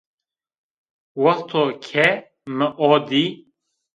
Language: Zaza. Wexto ke mi o dî